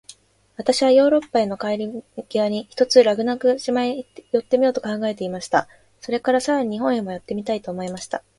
私はヨーロッパへの帰り途に、ひとつラグナグ島へ寄ってみようと考えていました。それから、さらに日本へも寄ってみたいと思いました。